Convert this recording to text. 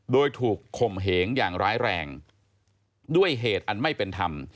โดยถูกข่มเหงอย่างร้ายแรงด้วยเหตุอันไม่เป็นธรรม